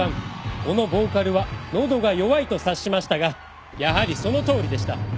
このボーカルは喉が弱いと察しましたがやはりそのとおりでした。